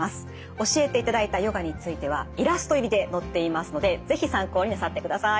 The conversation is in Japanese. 教えていただいたヨガについてはイラスト入りで載っていますので是非参考になさってください。